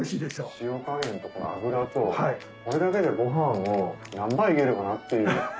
塩加減とこの脂とこれだけでごはん何杯行けるかなっていう。